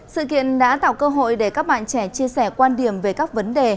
sự kiện đã tạo cơ hội để các bạn trẻ chia sẻ quan điểm về các vấn đề